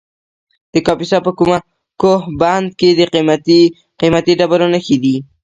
د کاپیسا په کوه بند کې د قیمتي ډبرو نښې دي.